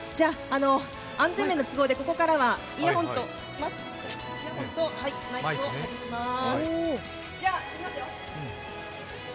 安全面の都合でここからはイヤホンとマイクを外します。